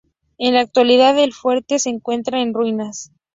En la actualidad el fuerte se encuentra en ruinas.